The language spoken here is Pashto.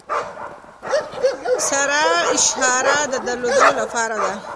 سره اشاره د دریدو لپاره ده.